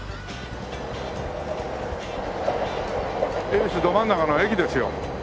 恵比寿ど真ん中の駅ですよ。